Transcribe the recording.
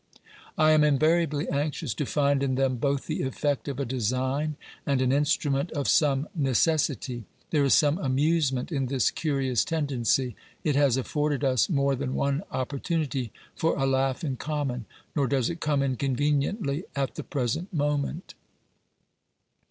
I am invariably anxious to find in them both the effect of a design and an instrument of some necessity. There is some amusement in this curious tendency ; it has afforded us more than one opportunity for a laugh in common, nor does it come inconveniently at the present moment.